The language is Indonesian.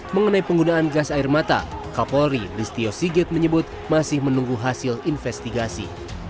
mengenai penggunaan gas air mata kapolri listio sigit menyebut masih menunggu hasil investigasi